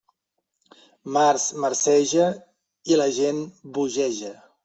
Març marceja... i la gent bogeja.